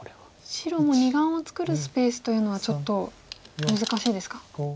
白も２眼を作るスペースというのはちょっと難しいですか。